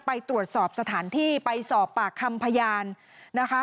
ไปตรวจสอบสถานที่ไปสอบปากคำพยานนะคะ